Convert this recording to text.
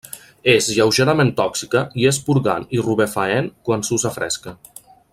És lleugerament tòxica i és purgant i rubefaent quan s'usa fresca.